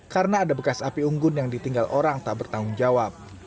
karena ada bekas api unggun yang ditinggal orang tak bertanggung jawab